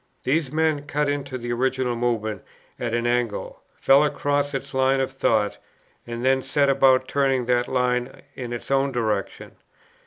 These men cut into the original Movement at an angle, fell across its line of thought, and then set about turning that line in its own direction.